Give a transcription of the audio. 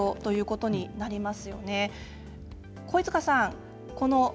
肥塚さん